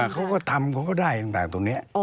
เขาก็ทำเขาก็ได้ต่างตรงนี้